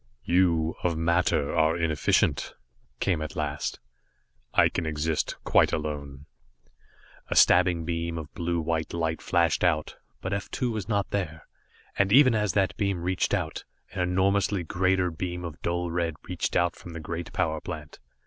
"You, of matter, are inefficient," came at last. "I can exist quite alone." A stabbing beam of blue white light flashed out, but F 2 was not there, and even as that beam reached out, an enormously greater beam of dull red reached out from the great power plant.